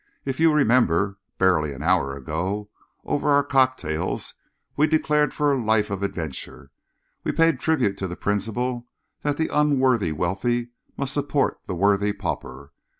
If you remember, barely an hour ago, over our cocktails, we declared for a life of adventure. We paid tribute to the principle that the unworthy wealthy must support the worthy pauper.